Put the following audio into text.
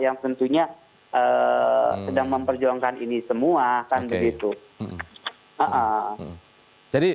yang tentunya sedang memperjuangkan ini semua